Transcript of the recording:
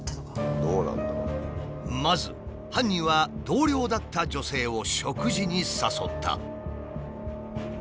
まず犯人は同僚だった女性を食事に誘った。